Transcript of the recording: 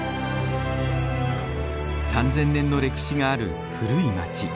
３，０００年の歴史がある古い街。